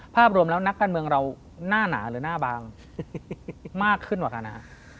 ภาพรวมแล้วนักการเมืองเราหน้าหนาหรือหน้าบางมากขึ้นกว่ากันนะฮะ